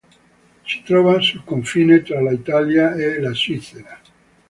Si trova sul confine tra l'Italia e la Svizzera.